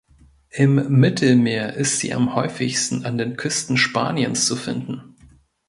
Im Mittelmeer ist sie am häufigsten an den Küsten Spaniens zu finden.